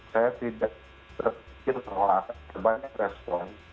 saya tidak berpikir bahwa akan banyak respon